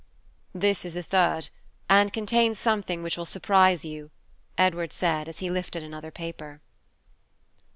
"This is the third, and contains something which will surprise you," Edward said, as he lifted another paper.